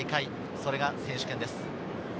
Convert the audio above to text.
それが選手権です。